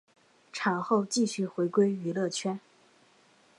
产后继续回归娱乐圈。